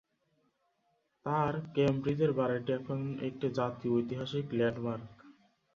তাঁর কেমব্রিজের বাড়িটি এখন একটি জাতীয় ঐতিহাসিক ল্যান্ডমার্ক।